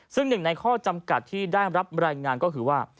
ซึ่งหนึ่งในข้อจำกัดที่ได้รับรายงานก็คือว่า